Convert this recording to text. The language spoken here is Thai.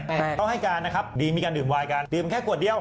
แต่ต้องให้การนะครับดีมีการดื่มวายการดื่มแค่ขวดเดียว